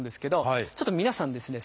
ちょっと皆さんですね